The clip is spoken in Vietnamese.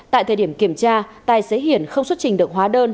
tại thời điểm kiểm tra tài xế hiển không xuất trình được hóa đơn